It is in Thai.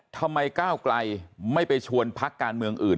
ทำไมก้าวไกลไม่ไปชวนพักการเมืองอื่น